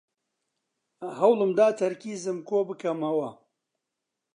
هەوڵم دا تەرکیزم کۆبکەمەوە.